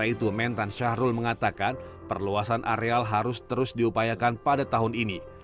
selain itu mentan syahrul mengatakan perluasan areal harus terus diupayakan pada tahun ini